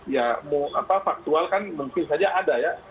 ya faktual kan mungkin saja ada ya